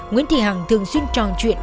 nguyễn thị hằng thường xuyên tròn chuyện